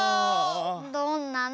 どんなの？